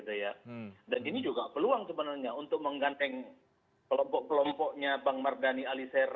dan ini juga peluang sebenarnya untuk mengganteng kelompok kelompoknya bang mardhani alisera